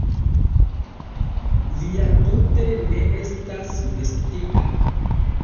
Li ja tute ne estas vestita!